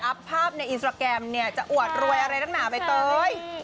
ภาพในอินสตราแกรมเนี่ยจะอวดรวยอะไรนักหนาใบเตย